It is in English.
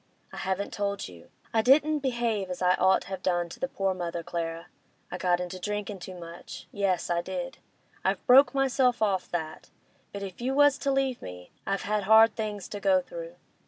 I haven't told you. I didn't behave as I'd ought have done to the poor mother, Clara; I got into drinkin' too much; yes, I did. I've broke myself off that; but if you was to leave me—I've had hard things to go through.